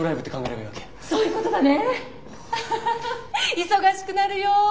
アハハハ忙しくなるよ。